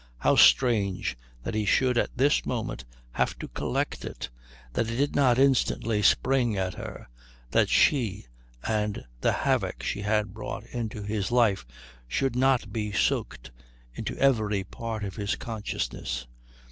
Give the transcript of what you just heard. How strange that he should at this moment have to collect it, that it did not instantly spring at her, that she and the havoc she had brought into his life should not be soaked into every part of his consciousness!